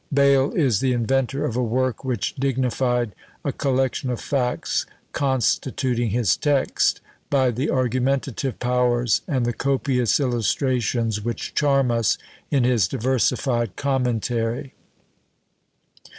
Bayle is the inventor of a work which dignified a collection of facts constituting his text, by the argumentative powers and the copious illustrations which charm us in his diversified commentary.